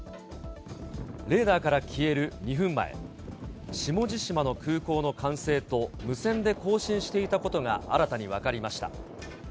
レーダーから消える２分前、下地島の空港の管制と無線で交信していたことが、新たに分かりました。